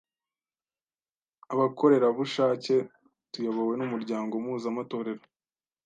abakorerabushake tuyobowe n’umuryango mpuzamatorero